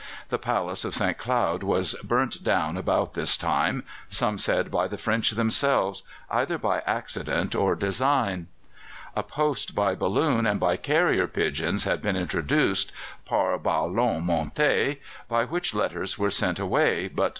The Palace of St. Cloud was burnt down about this time some said by the French themselves, either by accident or design. A post by balloon and by carrier pigeons had been introduced par ballon monté by which letters were sent away, but could not be received.